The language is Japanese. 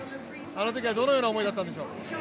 あのときはどのような思いだったんでしょう。